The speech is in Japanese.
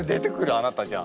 あなたじゃあ。